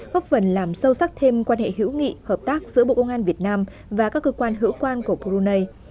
góp phần làm sâu sắc thêm quan hệ hữu nghị hợp tác giữa bộ công an việt nam và các cơ quan hữu quan của brunei